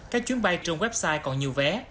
các chuyến bay trong website còn nhiều vé